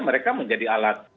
mereka menjadi alat